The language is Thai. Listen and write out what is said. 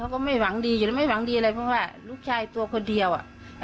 ก็ไม่หวังดีไม่หวังดีอะไรเพราะว่าลูกชายตัวคนเดียวอ่ะ